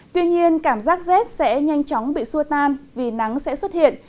tuy nhiên cảm giác rét sẽ nhanh chóng bị xua tan vì nắng sẽ xuất hiện